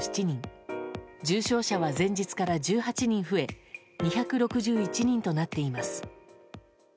重症者は前日から１８人増え２６１人となっています。